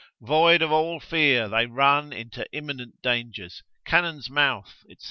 Void of all fear they run into imminent dangers, cannon's mouth, &c.